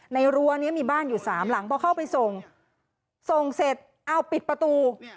รั้วนี้มีบ้านอยู่สามหลังพอเข้าไปส่งส่งเสร็จเอาปิดประตู